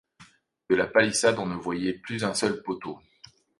De la palissade on ne voyait plus un seul poteau.